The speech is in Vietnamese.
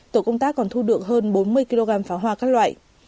tổ công tác còn thu được hơn bốn mươi kg pháo hoa các loại